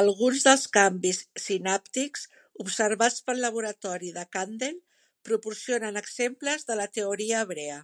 Alguns dels canvis sinàptics observats pel laboratori de Kandel proporcionen exemples de la teoria hebrea.